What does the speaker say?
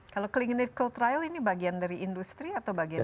kalau clinical trial ini bagian dari industri atau bagian dari